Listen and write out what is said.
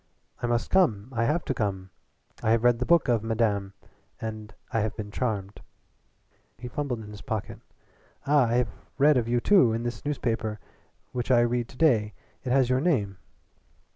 I must come. I have to come. I have read the book of Madame, and I have been charmed" he fumbled in his pocket "ah I have read of you too. In this newspaper which I read to day it has your name."